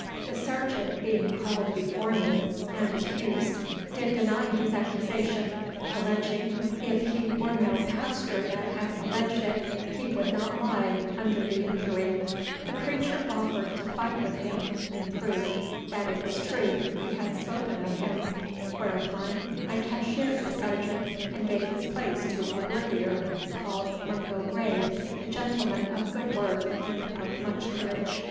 The sergeant being called before me, and accused, did deny his accusation, alleaging, if he were no pasteur that had alleaged it, he would not lie under the injury, The preacher offered to fight with him, [in proof] that it was truth he had spoken of him; whereupon I cashiered the sergeant, and gave his place to a worthier, called Mungo Gray, a gentleman of good worth, and of much courage.